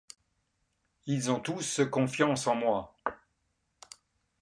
Ils ont tous confiance en moi.